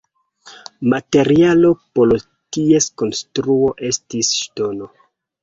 Materialo por ties konstruo estis ŝtono.